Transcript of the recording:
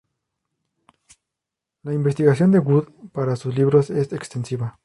La investigación de Wood para sus libros es extensiva.